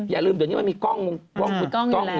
อย่าลืมเดี๋ยวนี้มันมีกล้องขุดกล้องอยู่